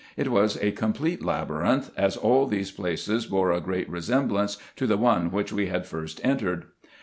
It was a complete labyrinth, as all these places bore a great resemblance to the one which we first entered.